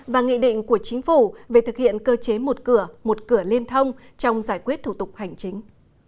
và nghị định của chính phủ về thực hiện cơ chế một cửa một cửa liên thông trong giải quyết thủ tục hành chính